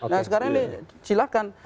nah sekarang ini silakan